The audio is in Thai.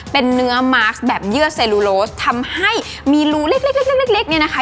เป็นเนื้อมาสก์แบบเยื่อเซลลูโลสทำให้มีรูเล็กเล็กเล็กเล็กเล็กเล็กเนี้ยนะคะ